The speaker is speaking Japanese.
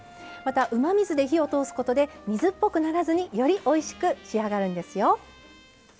またうまみ酢で火を通すことで水っぽくならずによりおいしく仕上がるんですよ。